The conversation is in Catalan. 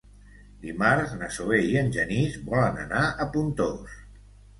Dimarts na Zoè i en Genís volen anar a Pontós.